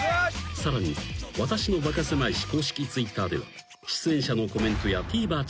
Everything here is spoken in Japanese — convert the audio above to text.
［さらに『私のバカせまい史』公式Ｔｗｉｔｔｅｒでは出演者のコメントやＴＶｅｒ注意報をアップ。